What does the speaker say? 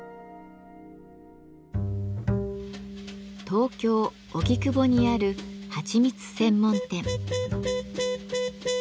東京・荻窪にあるはちみつ専門店。